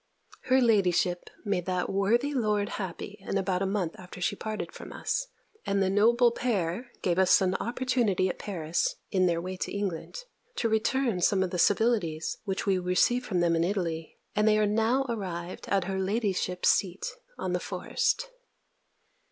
Her ladyship made that worthy lord happy in about a month after she parted from us, and the noble pair gave us an opportunity at Paris, in their way to England, to return some of the civilities which we received from them in Italy; and they are now arrived at her ladyship's seat on the Forest.